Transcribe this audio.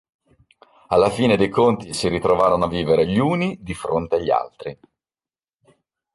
Alla fine dei conti si ritrovarono a vivere gli uni di fronte agli altri.